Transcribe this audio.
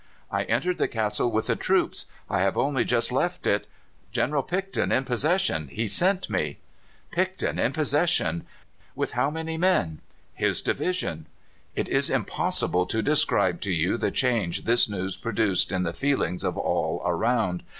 "'I entered the castle with the troops. I have only just left it. General Picton in possession. He sent me.' "'Picton in possession! With how many men?' "'His division.' "It is impossible to describe to you the change this news produced in the feelings of all around.